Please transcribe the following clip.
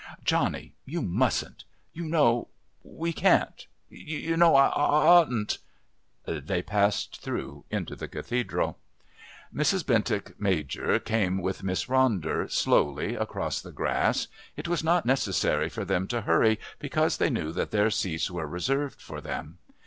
"Johnny you mustn't you know we can't you know I oughtn't " They passed through into the Cathedral. Mrs. Bentinck Major came with Miss Ronder, slowly, across the grass. It was not necessary for them to hurry because they knew that their seats were reserved for them.